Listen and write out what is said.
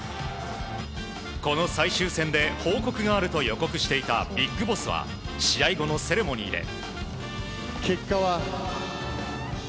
この最終戦で報告があると予告していたＢＩＧＢＯＳＳは試合後のセレモニーで。